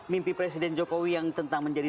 mimpi presiden jokowi yang tentang menjadi